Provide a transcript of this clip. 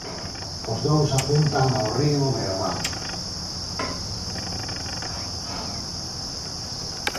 Os dous apuntan ao Río Breogán.